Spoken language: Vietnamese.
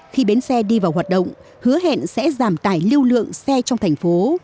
khi bến xe đi vào hoạt động hứa hẹn sẽ giảm tải lưu lượng xe trong thành phố